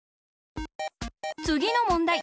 つぎのもんだい。